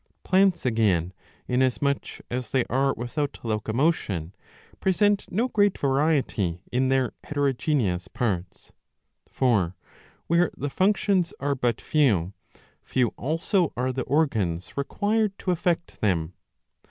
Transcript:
Plants, again, inasmuch as they are without locomotion, present no great variety in their heterogeneous parts. For, where the functions are but few, few also are the organs required to effect them.